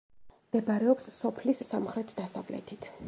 მდებარეობს სოფლის სამხრეთ-დასავლეთით.